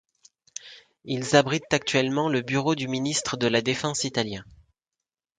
Ils abritent actuellement le bureau du ministre de la Défense italien.